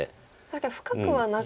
深くはなく。